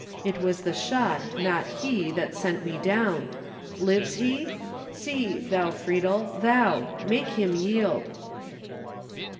It was the shot, not he, that sent me down. Lives he? See—thou, Friedel—thou. Make him yield."